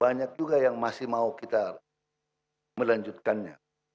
banyak juga yang masih mau kita melanjutkannya